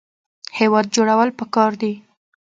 هیواد جوړول پکار دي